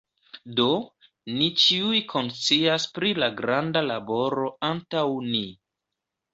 Do, ni ĉiuj konscias pri la granda laboro antaŭ ni.